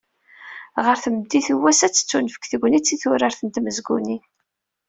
Ɣer tmeddit n wass, ad tettunefk tegnit i turart n tmezgunin.